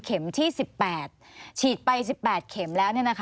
ที่๑๘ฉีดไป๑๘เข็มแล้ว